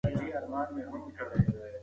ما په دې ونې باندې خپلې ټولې هیلې تړلې وې.